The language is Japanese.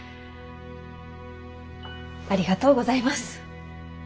ありがとうございます。